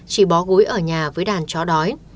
chỉ bó gũi ở nhà với đàn chó đói